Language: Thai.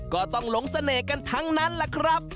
ก็ต้องหลงเสน่ห์กันทั้งนั้นล่ะครับ